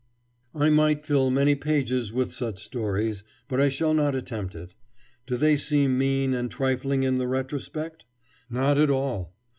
I might fill many pages with such stories, but I shall not attempt it. Do they seem mean and trifling in the retrospect? Not at all.